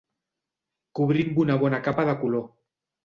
Cobrir amb una bona capa de color.